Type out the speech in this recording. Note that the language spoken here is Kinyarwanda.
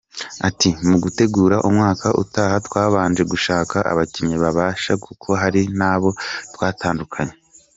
Ati “Mu gutegura umwaka utaha twabanje gushaka abakinnyi bashya kuko hari n’abo twatandukanye.